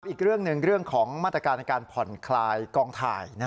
อีกเรื่องหนึ่งเรื่องของมาตรการในการผ่อนคลายกองถ่าย